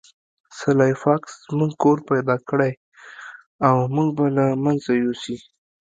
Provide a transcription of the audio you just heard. سلای فاکس زموږ کور پیدا کړی او موږ به له منځه یوسي